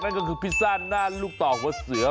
นั่นก็คือพิซซ่าหน้าลูกต่อหัวเสือ